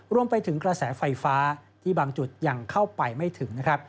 รวมไปถึงกระแสไฟฟ้าที่บางจุดยังเข้าไปไม่ถึงนะครับ